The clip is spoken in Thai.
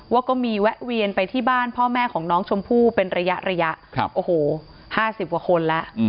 ว่าก็มีแวะเวียนไปที่บ้านพ่อแม่ของน้องชมพู่เป็นระยะโอ้โห๕๐กว่าคนแล้ว